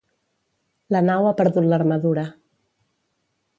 La nau ha perdut l'armadura.